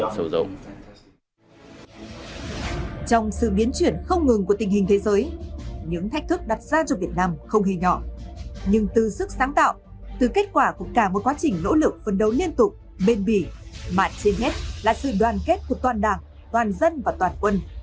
trong sự biến chuyển không ngừng của tình hình thế giới những thách thức đặt ra cho việt nam không hề nhỏ nhưng từ sức sáng tạo từ kết quả của cả một quá trình nỗ lực phân đấu liên tục bền bỉ mà trên hết là sự đoàn kết của toàn đảng toàn dân và toàn quân